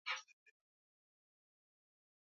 Kauli ya uchumi wa buluu inalenga wakulima wa mwani